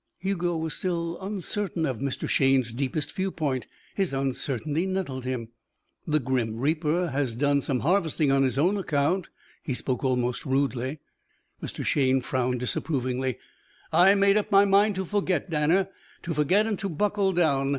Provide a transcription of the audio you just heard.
Hugo was still uncertain of Mr. Shayne's deepest viewpoint. His uncertainty nettled him. "The grim reaper has done some harvesting on his own account " He spoke almost rudely. Mr. Shayne frowned disapprovingly. "I made up my mind to forget, Danner. To forget and to buckle down.